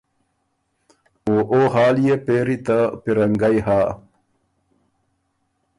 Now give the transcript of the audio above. او او حال يې پېری ته پیرنګئ هۀ